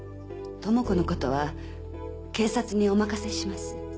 智子のことは警察にお任せします。